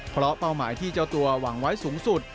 เพราะเป้าหมายที่เจ้าตัวหวังไว้สูงสุด